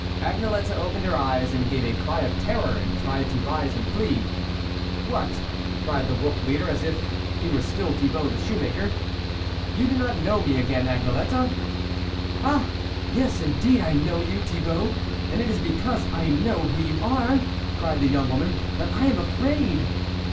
Agnelette opened her eyes, gave a cry of terror, and tried to rise and flee. " What !" cried the Wolf leader, as if he were still Thibault the shoemaker, " you do not know me again, Agnelette ?"" Ah ! yes indeed, I know you, Thi bault ; and it is because I know who you are," cried the young woman, " that I am afraid